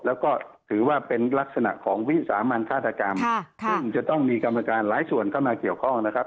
แล้วก็ถือว่าเป็นลักษณะของวิสามันฆาตกรรมซึ่งจะต้องมีกรรมการหลายส่วนเข้ามาเกี่ยวข้องนะครับ